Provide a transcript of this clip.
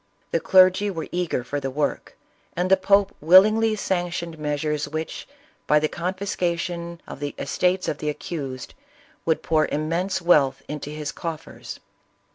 The clergy were eager for the work, and the pope willingly sanctioned measures which, by the confiscation of the estate's of the accused, would jM)iir immense wealth into his coffers.